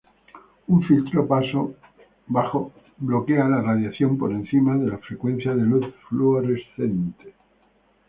Un filtro paso-bajo bloquea la radiación por encima de la frecuencia de luz fluorescente.